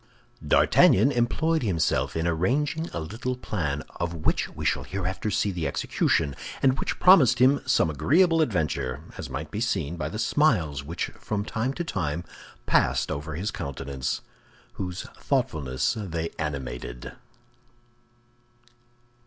D'Artagnan employed himself in arranging a little plan, of which we shall hereafter see the execution, and which promised him some agreeable adventure, as might be seen by the smiles which from time to time passed over his countenance, whose thoughtfulness they animated.